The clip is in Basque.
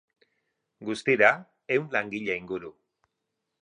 Guztira, ehun langile inguru.